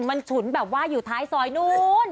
มันฉุนแบบว่าอยู่ท้ายซอยนู้น